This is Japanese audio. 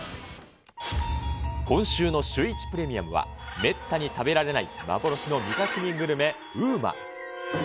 今週のシューイチプレミアムは、めったに食べられない幻の未確認グルメ、ＵＭＡ。